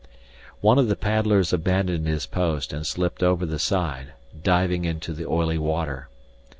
One of the paddlers abandoned his post and slipped over the side, diving into the oily water.